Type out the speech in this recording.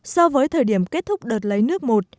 so với thời điểm kết thúc đợt lấy nước một